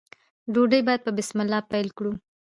ډوډۍ باید په بسم الله پیل کړو.